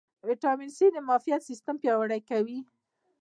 ویټامین سي د معافیت سیستم پیاوړی کوي